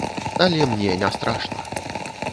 Але мне не страшна.